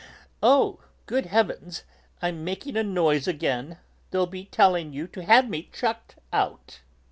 Oh! Good heavens, I'm making a noise again; they'll be telling you to have me 'chucked out'."